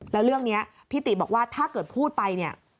แล้วเรื่องนี้พี่ติบอกว่าถ้าเกิดพูดไปเนี่ย